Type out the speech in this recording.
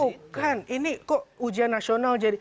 bukan ini kok ujian nasional jadi